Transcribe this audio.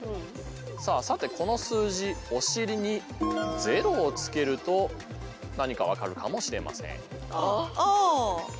さてこの数字お尻に０をつけると何か分かるかもしれません。